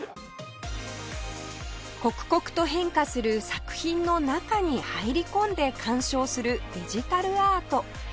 刻々と変化する作品の中に入り込んで鑑賞するデジタルアート